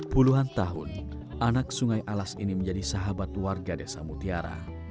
puluhan tahun anak sungai alas ini menjadi sahabat warga desa mutiara